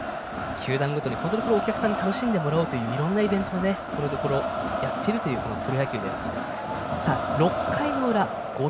球団ごとにお客さんに楽しんでもらおうといろんなイベントもこのところやっているというプロ野球です。